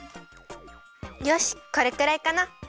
よしこれくらいかな。